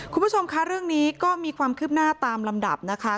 คุณผู้ชมคะเรื่องนี้ก็มีความคืบหน้าตามลำดับนะคะ